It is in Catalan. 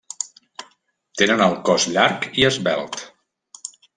Tenen el cos llarg i esvelt.